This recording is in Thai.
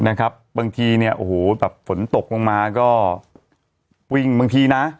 นะครับบางทีเนี่ยโอ้โหแบบฝนตกลงมาก็วิ่งบางทีนะ